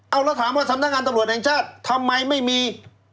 เอาแล้วถามว่าสำนักงานตำรวจแห่งชาติทำไมไม่มี